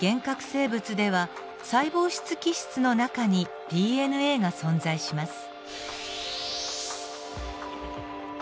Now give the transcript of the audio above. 生物では細胞質基質の中にＤＮＡが存在します。